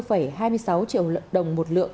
và năm mươi sáu hai mươi sáu triệu đồng một lượng